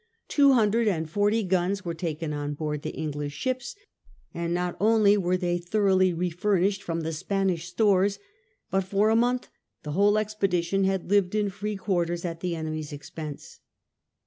Two hundred and forty guns were taken on board the English ships, and not only were they thoroughly refurnished from the Spanish stores, but for a month the whole expedition had lived in free quarters at the enemy's expense.